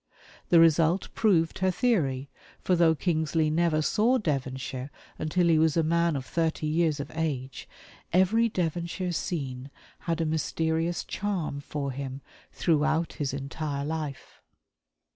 The result proved her theory, for though Kingsley never saw Devonshire until he was a man of thirty years of age, every Devonshire scene had a mysterious charm for him throughout his entire life.